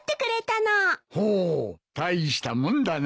ほう大したもんだな。